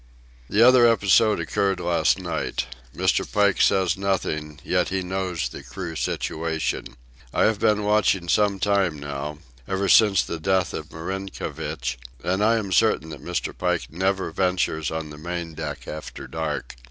The other episode occurred last night. Mr. Pike says nothing, yet he knows the crew situation. I have been watching some time now, ever since the death of Marinkovich; and I am certain that Mr. Pike never ventures on the main deck after dark.